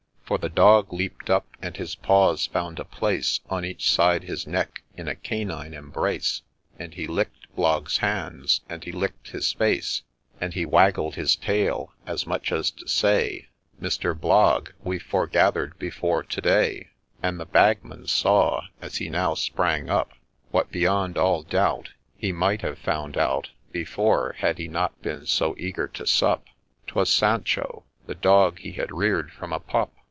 For the Dog leap'd up, and his paws found a place On each side his neck in a canine embrace, And he lick'd Blogg's hands, and he lick'd his face, And he waggled his tail as much as to say, ' Mr. Blogg, we've foregather'd before to day 1 ' And the Bagman saw, as he now sprang up, What, beyond all doubt, He might have found out Before, had he not been so eager to sup, 'Twas Sancho !— the Dog he had rear'd from a pup